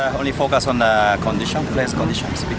hanya fokus pada kondisi kondisi pemain